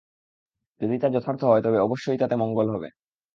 যদি তা যথার্থ হয়, তবে অবশ্যই তাতে মঙ্গল হবে।